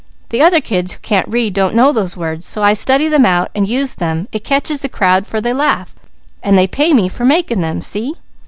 The other kids who can't read don't know those words, so I study them out and use them; it catches the crowd for they laugh, and then pay me for making them. See?